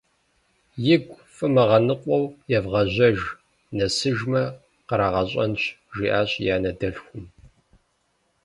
Игу фымыгъэныкъуэу евгъэжьэж, нэсыжмэ, къырагъэщӏэнщ, - жиӏащ и анэ дэлъхум.